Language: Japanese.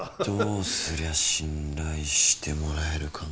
どうすりゃ信頼してもらえるかなぁ。